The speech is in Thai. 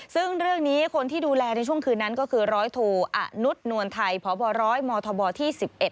ซึ่งเรื่องนี้คนที่ดูแลในช่วงคืนนั้นก็คือร้อยโทอนุษนวลไทยพบร้อยมธบที่๑๑